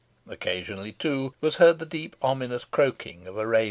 Occasionally, too, was heard the deep ominous croaking of a raven.